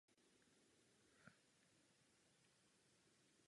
V Turkmenistánu nese význam „rytíř“ nebo „kavalír“.